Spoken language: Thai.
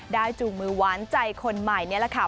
จูงมือหวานใจคนใหม่นี่แหละค่ะ